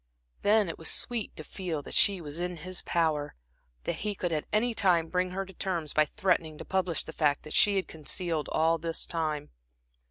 Then it was sweet to feel that she was in his power, that he could at any time bring her to terms by threatening to publish the fact that she had concealed all this time.